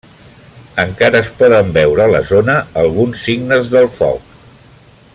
Encara es poden veure a la zona alguns signes del foc.